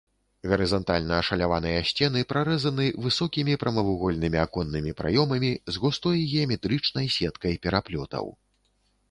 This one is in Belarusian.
Гарызантальна ашаляваныя сцены прарэзаны высокімі прамавугольнымі аконнымі праёмамі з густой геаметрычнай сеткай пераплётаў.